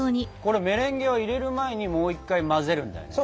メレンゲは入れる前にもう一回混ぜるんだよね？